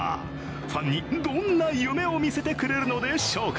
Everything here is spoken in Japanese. ファンにどんな夢を見せてくれるのでしょうか。